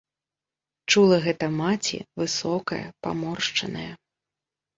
Чула гэта маці, высокая, паморшчаная.